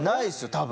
多分。